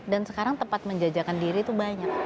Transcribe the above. dan sekarang tempat menjajakan diri itu banyak